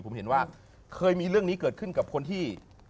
ผมเห็นว่าเคยมีเรื่องนี้เกิดขึ้นกับคนที่